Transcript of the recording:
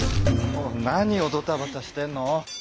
もう何をドタバタしてんの。